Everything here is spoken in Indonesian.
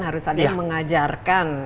harus ada yang mengajarkan